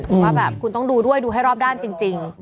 ผมว่าแบบคุณต้องดูด้วยดูให้รอบด้านจริง